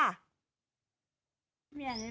อ่าวอ่าวแม่